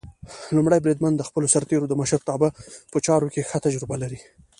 لومړی بریدمن د خپلو سرتېرو د مشرتابه په چارو کې ښه تجربه لري.